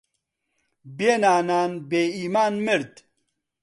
بێ نانان بێ ئیمان مرد